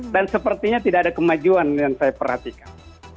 dan sepertinya tidak ada kemajuan yang saya perhatikan